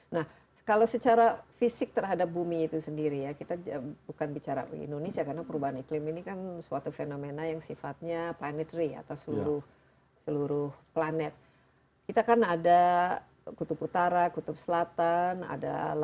nah kalau sekarang kita dibanding beberapa satu dekade yang lalu lah